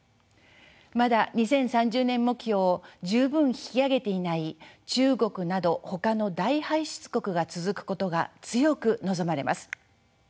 まだ２０３０年目標を十分引き上げていない中国などほかの大排出国が続くことが強く望まれます。